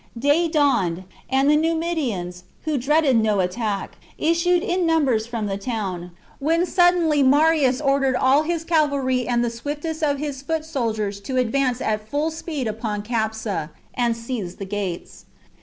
Day dawned, and the Numid 222 THE JUGURTHINE WAR. CHAP. XCI. CHAP. XCII. ians, who dreaded no attack, issued in numbers from the town, when suddenly Marius ordered all his cavalry and the swiftest of his foot soldiers to advance at full speed upon Capsa, and seize the gates.